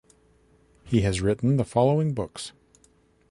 He has written following books.